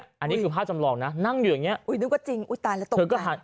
อันนี้คือภาพจำลองนะนั่งอยู่อย่างเงี้อุ้ยนึกว่าจริงอุ้ยตายแล้วตกเธอก็หัน